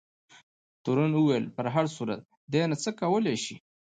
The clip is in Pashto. تورن وویل په هر صورت دی نه څه کولای شي.